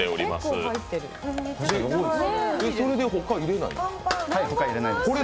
それで他いれないんですね